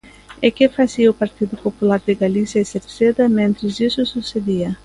¿E que facía o Partido Popular de Galicia e Cerceda mentres iso sucedía?